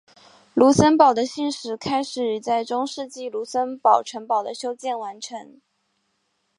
卢森堡的信史开始于在中世纪卢森堡城堡的修建完成。